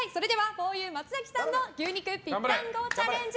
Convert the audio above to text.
ふぉゆ、松崎さんの牛肉ぴったんこチャレンジ